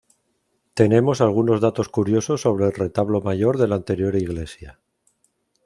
Tenemos algunos datos curiosos sobre el retablo mayor de la anterior iglesia.